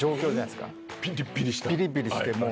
ピリピリした。